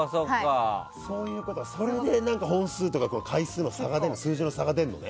それで本数とか回数の数字の差が出るのね。